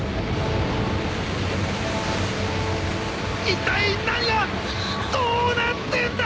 いったい何がどうなってんだ！？